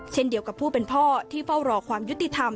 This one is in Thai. เช่นเดียวกับผู้เป็นพ่อที่เฝ้ารอความยุติธรรม